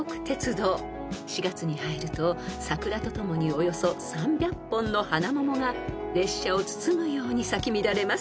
［４月に入ると桜とともにおよそ３００本の花桃が列車を包むように咲き乱れます］